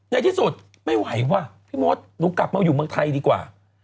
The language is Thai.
ในที่สุดไม่ไหวว่ะพี่มดหนูกลับมาอยู่เมืองไทยดีกว่า